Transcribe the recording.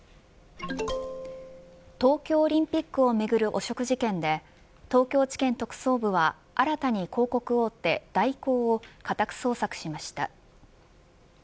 東京オリンピックをめぐる汚職事件で東京地検特捜部は新たに広告大手、大広を家宅捜索しました。